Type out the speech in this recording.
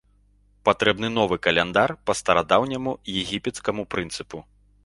Патрэбны новы каляндар па старадаўняму егіпецкаму прынцыпу.